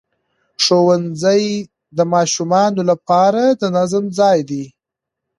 ښوونځی د ماشومانو لپاره د نظم ځای دی